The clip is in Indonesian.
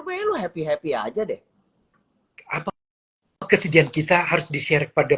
pelu happy happy aja deh apa kesedihan kita harus di share pada